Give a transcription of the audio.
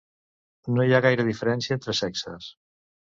No hi ha gaire diferència entre sexes.